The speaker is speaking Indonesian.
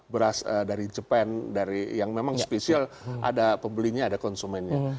beras dari jepen dari yang memang spesial ada pembelinya ada konsumennya